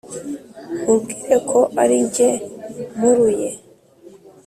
nkubwire ko ari jye mpuruye,